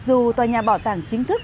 dù tòa nhà bảo tàng chính thức